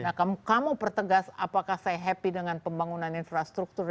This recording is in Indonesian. nah kamu pertegas apakah saya happy dengan pembangunan infrastruktur